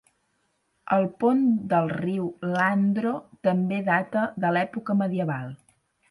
El pont del riu Landro també data de l'època medieval.